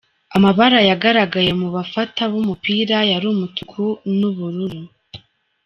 Amabara yagaragaye mu bafata b'umupira yari umutuku nu bururu.